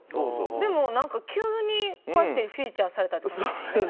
でも、急にフィーチャーされたというか。